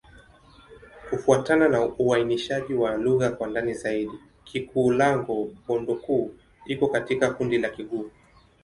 Kufuatana na uainishaji wa lugha kwa ndani zaidi, Kikulango-Bondoukou iko katika kundi la Kigur.